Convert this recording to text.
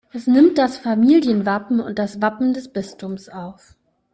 Es nimmt das Familienwappen und das Wappen des Bistums auf.